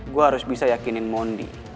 gue harus bisa yakinin mondi